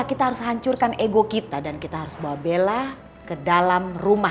kita harus hancurkan ego kita dan kita harus bawa bela ke dalam rumah